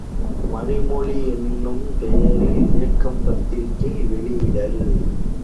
● மணிமொழி என்னும் பெயரில் இயக்கப் பத்திரிகை வெளியிடல்.